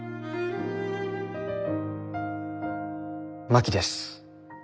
真木です。